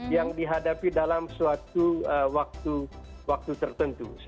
yang dihadapi dalam suatu waktu tertentu